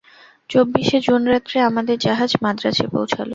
চব্বিশে জুন রাত্রে আমাদের জাহাজ মান্দ্রাজে পৌঁছাল।